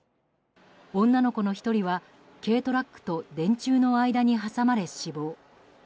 女の子の１人は軽トラックと電柱の間に挟まれ死亡。